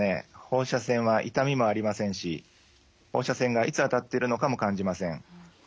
放射線は痛みもありませんし放射線がいつ当たってるのかも感じません。